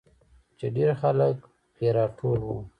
چې ډېرخلک پې راټول وو.